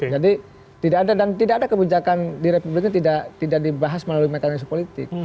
jadi tidak ada dan tidak ada kebijakan di republiknya tidak dibahas melalui mekanisme politik